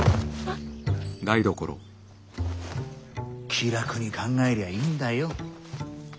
気楽に考えりゃいいんだよ。